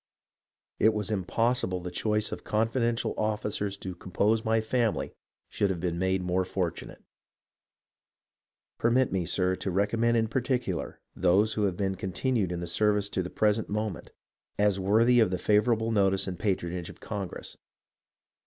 It was impossible the choice of confidential officers to compose my family should have been more fortunate. Permit me, sir, to recommend in particular those who have continued in the service to the present moment, as worthy of the favourable notice and patronage of Congress.